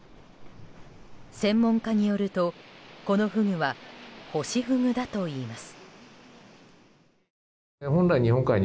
専門家によると、このフグはホシフグだといいます。